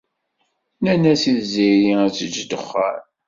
Nnan-as i Tiziri ad tejj ddexxan.